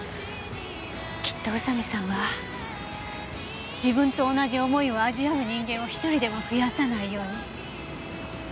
きっと宇佐見さんは自分と同じ思いを味わう人間を１人でも増やさないように。